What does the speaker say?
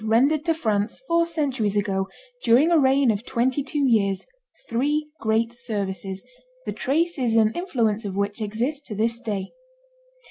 rendered to France, four centuries ago, during a reign of twenty two years, three great services, the traces and influence of which exist to this day.